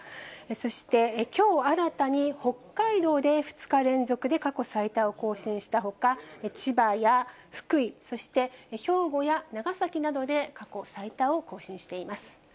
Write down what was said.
そして、きょう新たに北海道で２日連続で過去最多を更新したほか、千葉や福井、そして兵庫や長崎などで過去最多を更新しています。